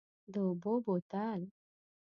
د اوبو بوتل،